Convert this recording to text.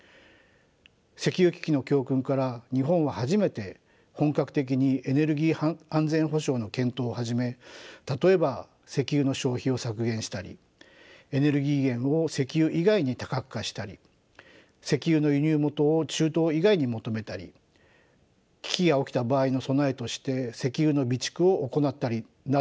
石油危機の教訓から日本は初めて本格的にエネルギー安全保障の検討を始め例えば石油の消費を削減したりエネルギー源を石油以外に多角化したり石油の輸入元を中東以外に求めたり危機が起きた場合の備えとして石油の備蓄を行ったりなどなどです。